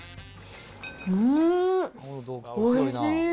うーん、おいしい。